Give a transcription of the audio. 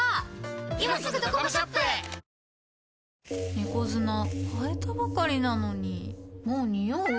猫砂替えたばかりなのにもうニオう？